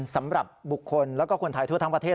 สำหรับบุคคลแล้วก็คนไทยทั่วทั้งประเทศ